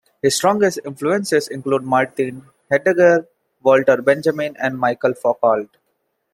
His strongest influences include Martin Heidegger, Walter Benjamin and Michel Foucault.